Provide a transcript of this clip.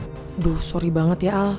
aduh sorry banget ya al